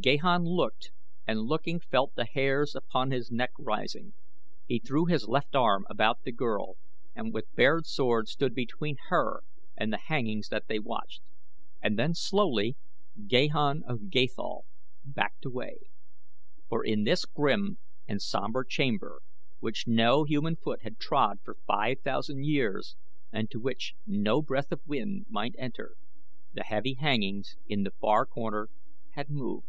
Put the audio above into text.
Gahan looked and looking felt the hairs upon his neck rising. He threw his left arm about the girl and with bared sword stood between her and the hangings that they watched, and then slowly Gahan of Gathol backed away, for in this grim and somber chamber, which no human foot had trod for five thousand years and to which no breath of wind might enter, the heavy hangings in the far corner had moved.